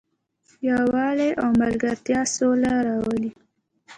یووالی او ملګرتیا سوله راولي.